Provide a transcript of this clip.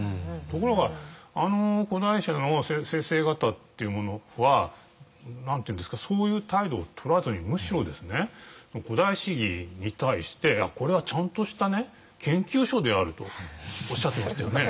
ところがあの古代史の先生方っていうのはそういう態度をとらずにむしろ「古代史疑」に対してこれはちゃんとした研究書であるとおっしゃってましたよね。